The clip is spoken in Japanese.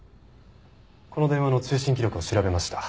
この電話の通信記録を調べました。